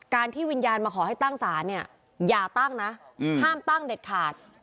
ที่วิญญาณมาขอให้ตั้งศาลเนี่ยอย่าตั้งนะห้ามตั้งเด็ดขาด